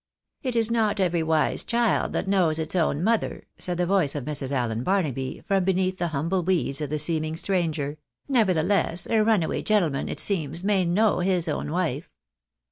" It is not every wise child that knows its own mother," said the voice of Mrs. Allen Barnaby, from beneath the humble weeds of the seeming stranger ;" nevertheless, a runaway gentleman, it seems, may know his own wife.